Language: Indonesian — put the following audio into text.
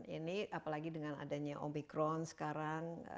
ini apalagi dengan adanya omikron sekarang